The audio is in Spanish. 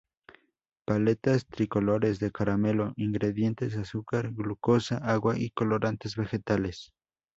Paletas-tricolores de caramelo Ingredientes: azúcar, glucosa, agua y colorantes vegetales.